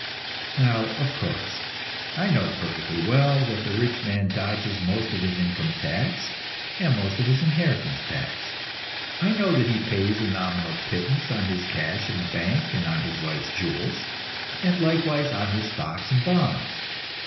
Now, of course, I know perfectly well that the rich man dodges most of his income tax and most of his inheritance tax. I know that he pays a nominal pittance on his cash in the bank and on his wife's jewels, and likewise on his stocks and bonds.